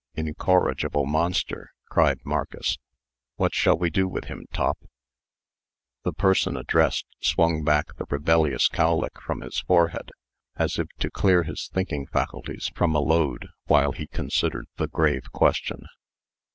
"Incorrigible monster!" cried Marcus. "What shall we do with him, Top?" The person addressed swung back the rebellious cowlick from his forehead, as if to clear his thinking faculties from a load while he considered the grave question.